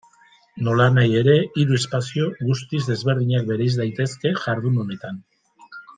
Nolanahi ere, hiru espazio guztiz desberdinak bereiz daitezke jardun honetan.